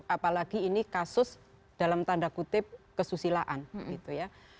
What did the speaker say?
apalagi ini kasus dalam tanda kutip kesusilaan gitu ya